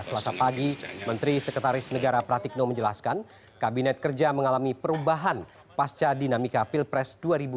selasa pagi menteri sekretaris negara pratikno menjelaskan kabinet kerja mengalami perubahan pasca dinamika pilpres dua ribu dua puluh